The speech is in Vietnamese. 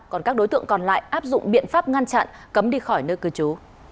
còn các đối tượng còn lại áp dụng biện pháp ngăn chặn cấm đi khỏi nơi cư trú